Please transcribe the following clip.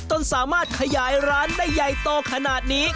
จนสามารถขยายร้านได้ใหญ่โตขนาดนี้